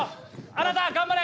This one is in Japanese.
あなた頑張れ！